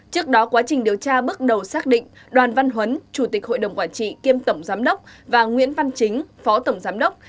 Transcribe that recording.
trước đó quá trình điều tra bước đầu xác định đoàn văn huấn chủ tịch hội đồng quản trị kiêm tổng giám đốc và nguyễn văn chính phó tổng giám đốc